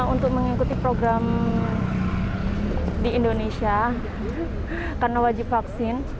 untuk mengikuti program di indonesia karena wajib vaksin